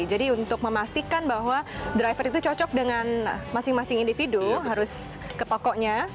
jadi untuk memastikan bahwa driver itu cocok dengan masing masing individu harus ke pokoknya